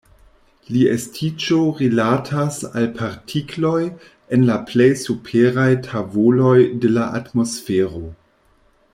La estiĝo rilatas al partikloj en la plej superaj tavoloj de la atmosfero.